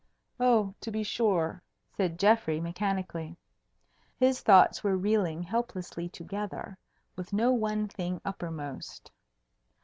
"Oh, to be sure," said Geoffrey, mechanically. His thoughts were reeling helplessly together, with no one thing uppermost.